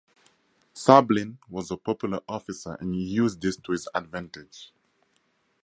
Sablin was a popular officer and he used this to his advantage.